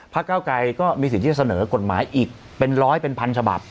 เก้าไกรก็มีสิทธิ์ที่จะเสนอกฎหมายอีกเป็นร้อยเป็นพันฉบับ